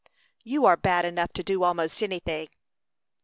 "You are bad enough to do almost anything."